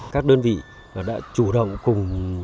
các đơn vị đã chủ động cùng